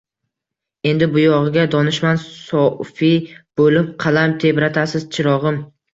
Endi bu yog‘iga donishmand, so‘fiy bo‘lib qalam tebratasiz, chirog‘im.